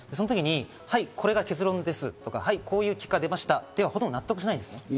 はい、これが結論です、こういう結果が出ましたではほとんど納得しないんです。